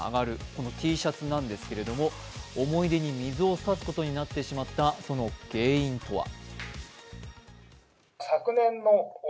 このＴシャツなんですが、思い出に水を差すことになってしまった、その原因とは？